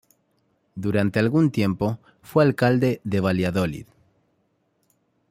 Durante algún tiempo, fue Alcalde de Valladolid.